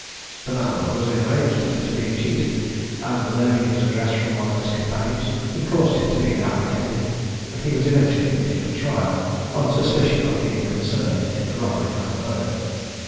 The landlord was enraged at his being cheated; and learning his address from one of his companions, he caused him to be apprehended, and he was eventually committed for trial on suspicion of being concerned in the robbery and murder.